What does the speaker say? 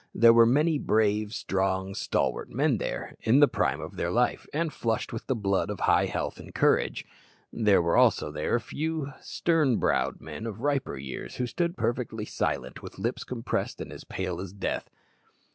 There were many brave, strong, stalwart men there, in the prime of life, and flushed with the blood of high health and courage. There were also there a few stern browed men of riper years, who stood perfectly silent, with lips compressed, and as pale as death.